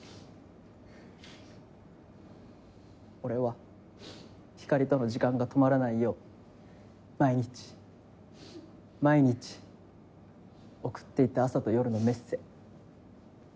俺はひかりとの時間が止まらないよう毎日毎日送っていた朝と夜のメッセ